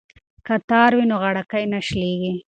که تار وي نو غاړکۍ نه شلیږي.